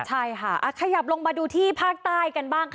ใช่ค่ะขยับลงมาดูที่ภาคใต้กันบ้างค่ะ